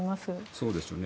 そうですよね。